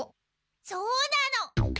そうなの。